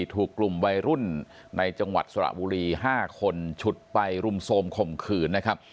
ถูกกลุ่มวัยรุ่นในจังหวัดสระบุรี๕คนฉุดไปรุมโทรมข่มขืนนะครับ